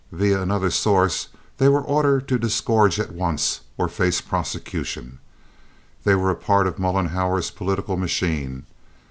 Via another source they were ordered to disgorge at once or face prosecution. They were a part of Mollenhauer's political machine.